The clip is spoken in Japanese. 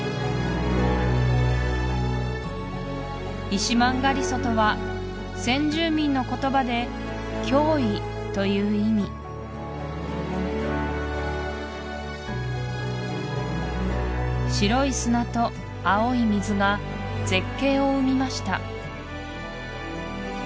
イシマンガリソとは先住民の言葉で「驚異」という意味白い砂と青い水が絶景を生みました